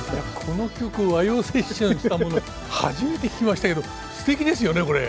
この曲和洋セッションしたもの初めて聴きましたけどすてきですよねこれ。